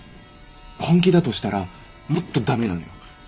本気だとしたらもっと駄目なのよ。